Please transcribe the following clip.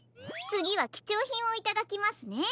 つぎはきちょうひんをいただきますね。